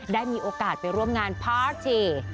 ได้มีโอกาสไปร่วมงานพาร์คที